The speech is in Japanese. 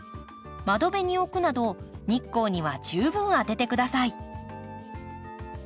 窓辺に置くなど日光には十分当てて下さい。